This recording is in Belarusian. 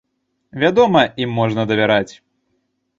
Вядома, ім можна давяраць.